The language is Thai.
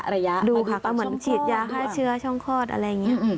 ระยะดูค่ะก็เหมือนฉีดยาฆ่าเชื้อช่องคลอดอะไรอย่างนี้